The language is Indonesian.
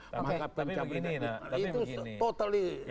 maka pencapresan itu